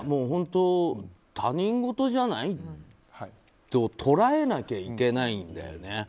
本当、他人事じゃないと捉えなきゃいけないんだよね。